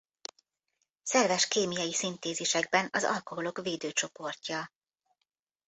Szerves kémiai szintézisekben az alkoholok védő csoportja.